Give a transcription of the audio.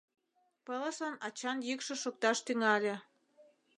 Пылышлан ачан йӱкшӧ шокташ тӱҥале: